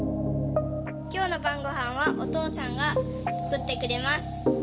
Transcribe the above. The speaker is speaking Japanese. きょうの晩ごはんは、お父さんが作ってくれます。